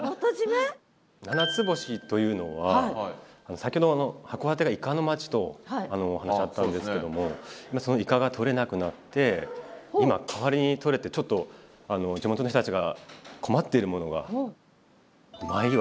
「七つ星」というのは先ほど函館がイカの町とお話あったんですけどもそのイカがとれなくなって今代わりにとれてちょっと地元の人たちが困っているものがほう。